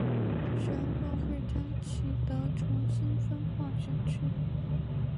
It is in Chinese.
选管会将启德重新分划选区。